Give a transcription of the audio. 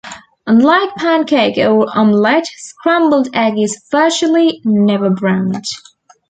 Unlike pancake or omelette scrambled egg is virtually never browned.